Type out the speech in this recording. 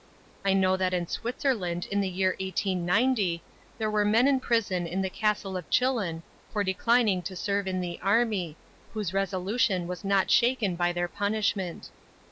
I know that in Switzerland in the year 1890 there were men in prison in the castle of Chillon for declining to serve in the army, whose resolution was not shaken by their punishment.